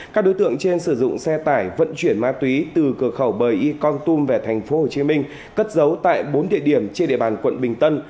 các đối tượng trên sử dụng xe tải vận chuyển ma túy từ cửa khẩu bờ y con tum về tp hcm cất giấu tại bốn địa điểm trên địa bàn quận bình tân